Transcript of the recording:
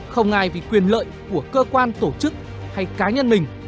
không ai vì quyền lợi của cơ quan tổ chức hay cá nhân mình